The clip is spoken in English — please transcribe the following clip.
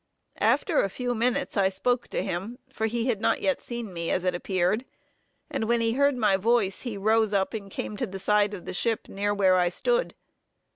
After a few minutes, I spoke to him, for he had not yet seen me as it appeared, and when he heard my voice, he rose up and came to the side of the ship near where I stood.